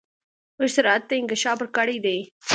موږ سرعت ته انکشاف ورکړی دی.